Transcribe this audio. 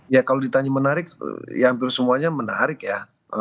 ya kalau ditanya menarik ya hampir semuanya menarik ya